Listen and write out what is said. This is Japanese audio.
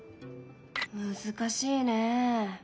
難しいね。